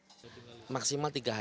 masih berada di rumah singgah